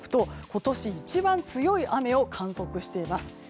今年一番強い雨を観測しています。